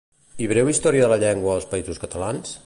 I Breu història de la llengua als Països Catalans?